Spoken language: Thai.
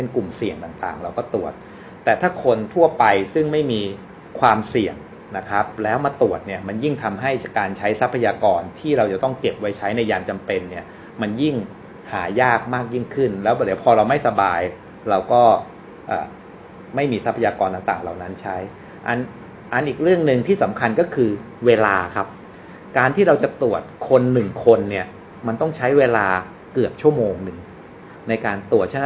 ขุมเสี่ยงต่างต่างเราก็ตรวจแต่ถ้าคนทั่วไปซึ่งไม่มีความเสี่ยงนะครับแล้วมาตรวจเนี่ยมันยิ่งทำให้การใช้ทรัพยากรที่เราจะต้องเก็บไว้ใช้ในยานจำเป็นเนี่ยมันยิ่งหายากมากยิ่งขึ้นแล้วหรือพอเราไม่สบายเราก็อ่าไม่มีทรัพยากรต่างต่างเหล่านั้นใช้อันอันอีกเรื่องหนึ่งที่สำคัญก็คือเวลาครับการ